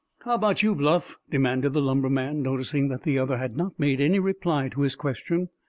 "How about you, Bluff?" demanded the lumberman, noticing that the other had not made any reply to his question.